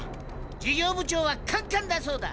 事業部長はカンカンだそうだ。